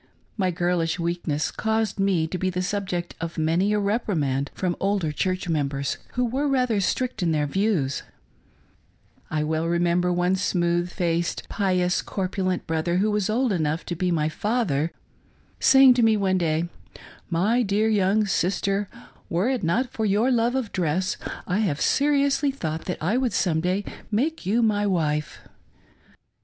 My girlish weakness caused me to be the subject of many a reprimand from older church members, who were rather strict in their views, I well remember one smooth faced, pious, corpulent brother who was old enough to be my father, saying to me one day :" My dear young sister, were it not for your love of dress, I have seriously thought that I would some day make you my' wife."